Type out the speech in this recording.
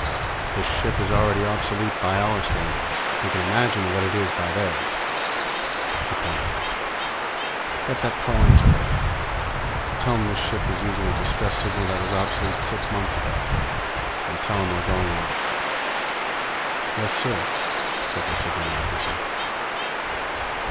This ship is already obsolete by our standards; you can imagine what it is by theirs." He paused. "Get that call in to Earth. Tell 'em this ship is using a distress signal that was obsolete six months ago. And tell 'em we're going out." "Yes, sir," said the signal officer.